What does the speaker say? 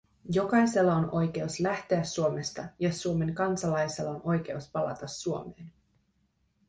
Jokaisella on oikeus lähteä Suomesta ja Suomen kansalaisella on oikeus palata Suomeen.